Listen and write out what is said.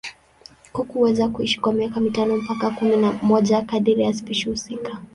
Kuku huweza kuishi kwa miaka mitano mpaka kumi na moja kadiri ya spishi husika.